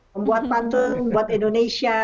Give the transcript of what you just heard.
membuat pantun buat indonesia